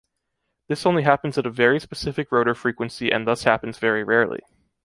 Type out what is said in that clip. This only happens at a very specific rotor frequency and thus happens very rarely.